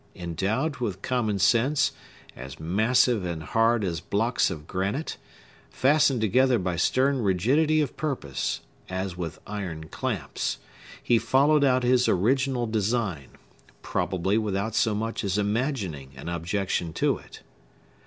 Endowed with commonsense, as massive and hard as blocks of granite, fastened together by stern rigidity of purpose, as with iron clamps, he followed out his original design, probably without so much as imagining an objection to it.